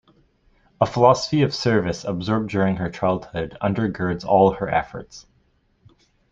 A philosophy of service absorbed during her childhood undergirds all her efforts.